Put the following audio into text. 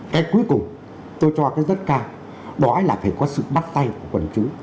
cái cuối cùng tôi cho cái rất cao đó là phải có sự bắt tay của quần chúng